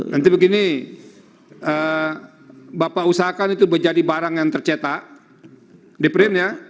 nanti begini bapak usahakan itu menjadi barang yang tercetak di printnya